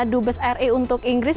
dut besar ri untuk inggris